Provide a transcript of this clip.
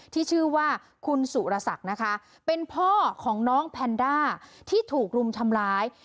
ที่ชื่อว่าคุณสุรศักดิ์นะคะเป็นพ่อของน้องแพนด้าที่ถูกรุมทำร้าย